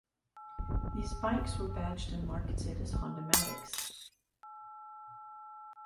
These bikes were badged and marketed as Hondamatics.